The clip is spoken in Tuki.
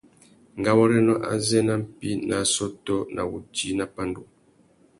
Ngáwôrénô azê na mpí nà assôtô na wudjï nà pandú.